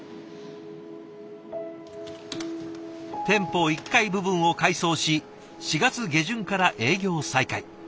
店舗１階部分を改装し４月下旬から営業再開。